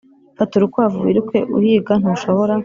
fata urukwavu wiruke uhiga - ntushobora